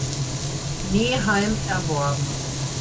Neheim erworben.